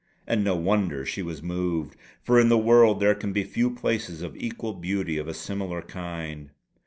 And no wonder she was moved, for in the world there can be few places of equal beauty of a similar kind.